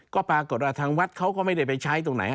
ก็ปรากฏว่าทางวัดเขาก็ไม่ได้ไปใช้ตรงไหน